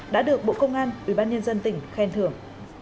đã được bộ công an ubnd tỉnh khen thưởng